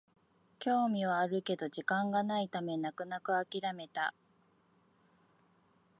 興味はあるけど時間がないため泣く泣くあきらめた